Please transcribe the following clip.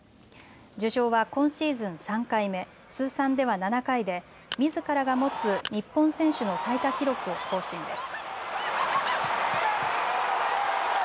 受賞は今シーズン３回目、通算では７回でみずからが持つ日本選手の最多記録を更新です。